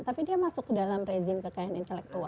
tapi dia masuk ke dalam rezim kekayaan intelektual